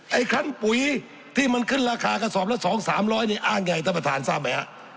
ไอ้คั้นปุ๋ยที่มันขึ้นราคากระสอบละสองสามร้อยนี่อ้างไงไอ้ท่านประธานทราบไหมฮะ